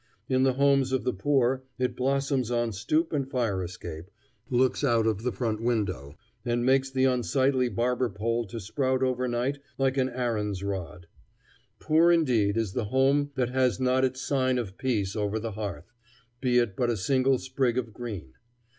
In the homes of the poor it blossoms on stoop and fire escape, looks out of the front window, and makes the unsightly barber pole to sprout overnight like an Aaron's rod. Poor indeed is the home that has not its sign of peace over the hearth, be it but a single sprig of green.